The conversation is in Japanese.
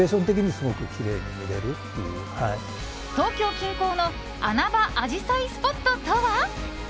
東京近郊の穴場アジサイスポットとは？